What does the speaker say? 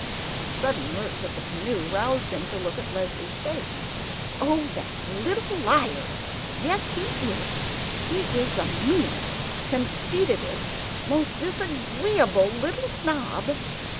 A sudden lurch of the canoe roused him to look at Leslie's face: "Oh, that little liar! Yes, he is! He is the meanest, conceitedest, most disagreeable little snob